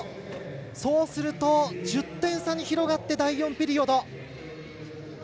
そうすると１０点差に広がって第４ピリオド。